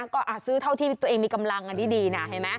ก็ซื้อเท่าที่ตัวเองมีกำลังอันนี้ดีนะเห็นไหม